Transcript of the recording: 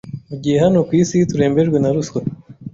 mu gihe hano ku isi turembejwe na ruswa